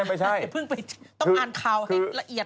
อย่าเพิ่งไปต้องอ่านข่าวให้ละเอียด